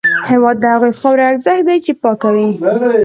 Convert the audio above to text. هېواد د هغې خاورې ارزښت دی چې پاکه وي.